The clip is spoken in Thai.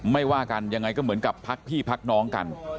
ว่ากันยังไงก็เหมือนกับพักพี่พักน้องกัน